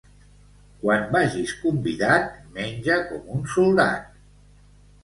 Quan vagis convidat, menja com un soldat.